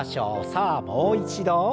さあもう一度。